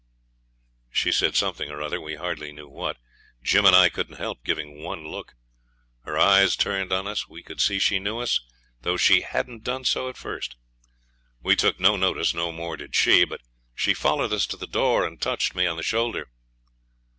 She said something or other, we hardly knew what. Jim and I couldn't help giving one look. Her eyes turned on us. We could see she knew us, though she hadn't done so at first. We took no notice; no more did she, but she followed us to the door, and touched me on the shoulder.